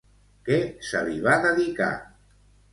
Què se li va dedicar?